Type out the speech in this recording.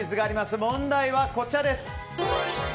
問題はこちらです。